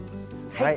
はい。